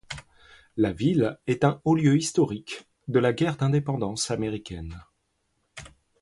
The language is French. La ville est un haut lieu historique de la guerre d'Indépendance américaine.